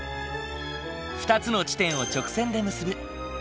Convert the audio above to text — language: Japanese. ２つの地点を直線で結ぶ。